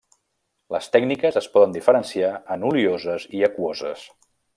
Les tècniques es poden diferenciar en olioses i aquoses.